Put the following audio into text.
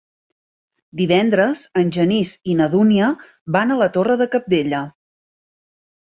Divendres en Genís i na Dúnia van a la Torre de Cabdella.